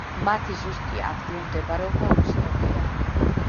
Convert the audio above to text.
მათი ზუსტი ადგილმდებარეობა უცნობია.